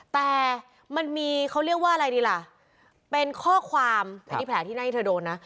แต่มันมีเขาเรียกว่าอะไรดีล่ะเป็นข้อความอันนี้แผลที่หน้าที่เธอโดนนะ